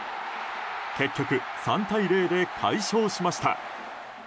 結局３対０で快勝しました。